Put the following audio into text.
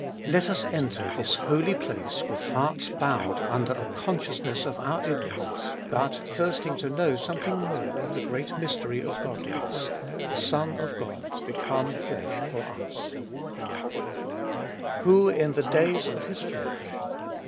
Let us enter this holy place with hearts bowed under a consciousness of our ignorance, but thirsting to know something more of the great mystery of godliness, the Son of God become flesh for us. 184 ube Iboltest of 2111 Who in the days of His flesh.